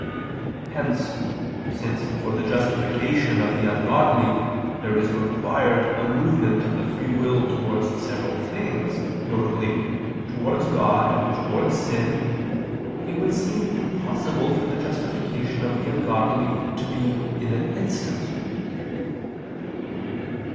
Hence, since for the justification of the ungodly there is required a movement of the free will towards several things, viz. towards God and towards sin, it would seem impossible for the justification of the ungodly to be in an instant.